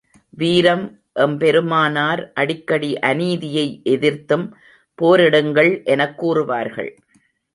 வீரம் எம்பெருமானார் அடிக்கடி அநீதியை எதிர்த்தும் போரிடுங்கள் எனக் கூறுவார்கள்.